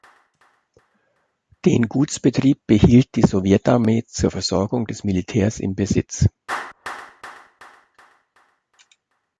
Den Gutsbetrieb behielt die Sowjetarmee zur Versorgung des Militärs in Besitz.